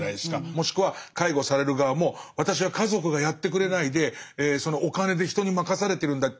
もしくは介護される側も私は家族がやってくれないでそのお金で人に任されてるんだって意識を持っちゃう人